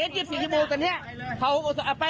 พี่ไปกันไป